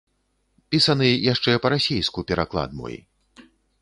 Пісаны яшчэ па-расейску, пераклад мой.